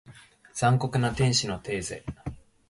残酷な天使のテーゼ